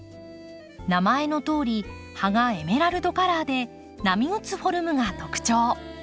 名前のとおり葉がエメラルドカラーで波打つフォルムが特徴。